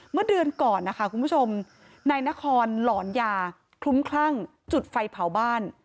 เมื่อเดือนก่อนนะคะคุณผู้ชมนายนครหลอนยาคลุ้มคลั่งจุดไฟเผาบ้าน